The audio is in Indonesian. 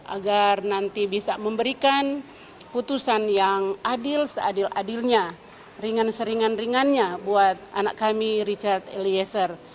agar nanti bisa memberikan putusan yang adil seadil adilnya ringan seringan ringannya buat anak kami richard eliezer